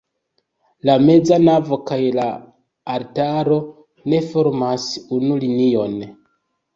La meza navo kaj la altaro ne formas unu linion.